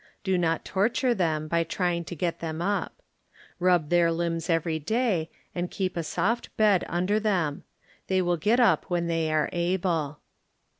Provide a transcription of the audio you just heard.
Do not torture them by trying to get them up. Rub their limbs every day and keep a soft bed under them. They will get up when they are able.